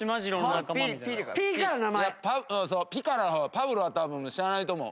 パブロは多分知らないと思う。